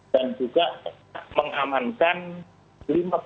dan juga mengamankan lima belas cm